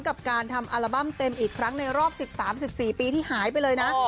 กับการทำอัลบั้มเต็มอีกครั้งในรอบ๑๓๑๔ปีที่หายไปเลยนะ